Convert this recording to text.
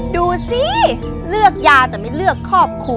ดูสิเลือกยาแต่ไม่เลือกครอบครัว